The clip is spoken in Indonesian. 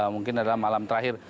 mungkin adalah malam terakhir